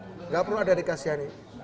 enggak perlu ada dikasihani